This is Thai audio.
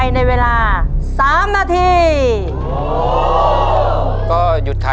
ต้นไม้ประจำจังหวัดระยองการครับ